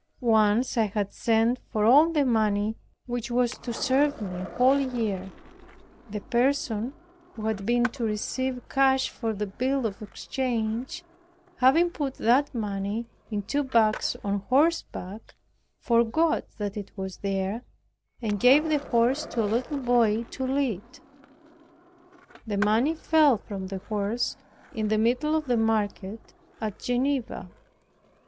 Once I had sent for all the money which was to serve me a whole year; the person who had been to receive cash for the bill of exchange, having put that money in two bags on horseback, forgot that it was there, and gave the horse to a little boy to lead. The money fell from the horse in the middle of the market at Geneva.